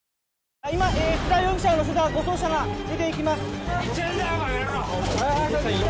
・今福田容疑者を乗せた護送車が出て行きます痛えんだよ